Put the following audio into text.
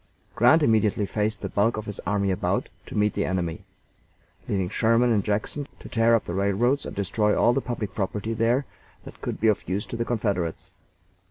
Grant immediately faced the bulk of his army about to meet the enemy, leaving Sherman in Jackson to tear up the railroads and destroy all the public property there that could be of use to the Confederates.